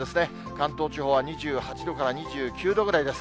関東地方は２８度から２９度ぐらいです。